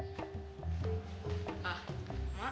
aku barangin mau babil' kalau pak haji mau dikanal